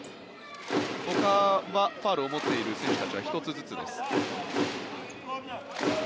ほかはファウルを持っている選手たちは１つずつです。